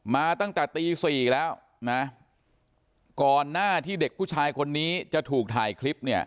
มาตั้งแต่ตีสี่แล้วนะก่อนหน้าที่เด็กผู้ชายคนนี้จะถูกถ่ายคลิปเนี่ย